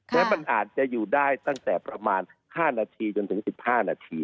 และมันอาจจะอยู่ได้ตั้งแต่ประมาณ๕นาทีจนถึง๑๕นาที